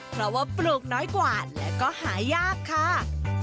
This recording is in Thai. เพราะว่าปลูกน้อยกว่าและก็หายากค่ะ